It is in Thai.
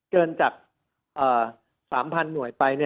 เกินจาก๓๐๐๐หน่วยไป